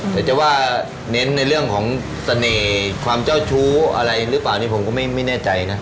แต่จะว่าเน้นในเรื่องของเสน่ห์ความเจ้าชู้อะไรหรือเปล่านี่ผมก็ไม่แน่ใจนะ